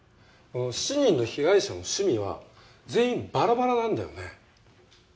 この７人の被害者の趣味は全員バラバラなんだよね。